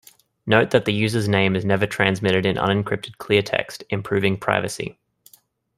Note that the user's name is never transmitted in unencrypted clear text, improving privacy.